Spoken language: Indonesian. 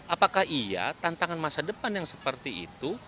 apakah iya tantangan masa depan yang seperti itu